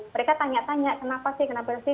mereka tanya tanya kenapa sih kenapa sih